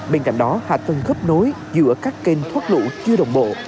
bên cạnh đó hạ tầng gấp nối giữa các kênh thoát lũ chưa đồng bộ